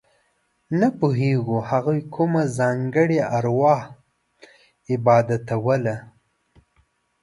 نه پوهېږو هغوی کومه ځانګړې اروا عبادتوله.